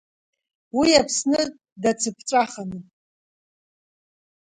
Уи Аԥсны дацԥҵәаханы…